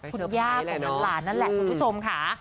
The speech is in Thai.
คุณย่าของหลานนั่นแหละคุณผู้ชมค่ะ